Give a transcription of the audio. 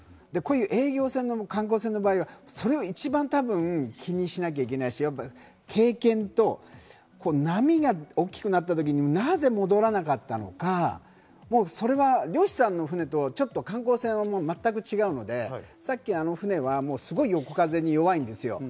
営業船の観光船の場合はそれを一番多分、気にしなきゃいけないし、経験と波が大きくなった時になぜ戻らなかったのか、漁師さんの船と観光船は全く違うのでさっきの船は横風に弱いんですよ。